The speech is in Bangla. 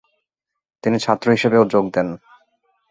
তিনি ছাত্র হিসেবেও যোগ দেন।